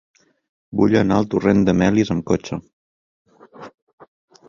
Vull anar al torrent de Melis amb cotxe.